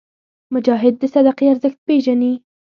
مجاهد د صدقې ارزښت پېژني.